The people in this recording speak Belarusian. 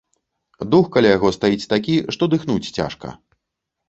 Дух каля яго стаіць такі, што дыхнуць цяжка.